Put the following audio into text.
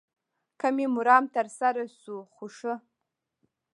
که مې مرام تر سره شو خو ښه.